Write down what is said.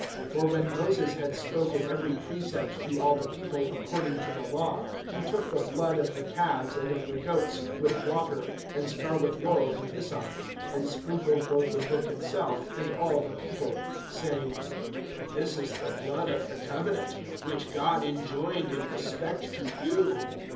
(19)For, when Moses had spoken every precept to all the people according to the law, he took the blood of the calves and of the goats, with water, and scarlet wool, and hyssop, and sprinkled both the book itself and all the people, saying: (20)This is the blood of the covenant, which God enjoined in respect to you.